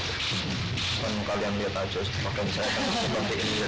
kalau kalian lihat aja makanya saya akan sepantiin